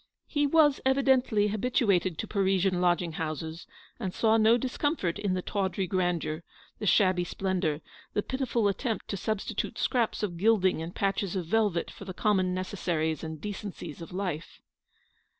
He was evidently habituated to Parisian lodging houses, and saw no discomfort in the tawdry grandeur, the shabby splendour, the piti ful attempt to substitute scraps of gilding and patches of velvet for the common necessaries and decencies of life.